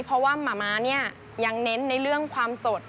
เพราะว่าหมาม้าเนี่ยยังเน้นในเรื่องความสด